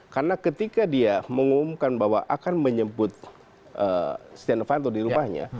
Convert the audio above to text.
karena ketika dia mengumumkan bahwa akan menjemput setia novanto di rumahnya